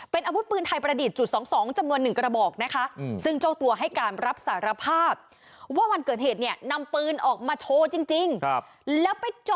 เป็นอาวุธปืนไทยประดิษฐ์จุด๒๒จำนวน๑กระบอกนะคะ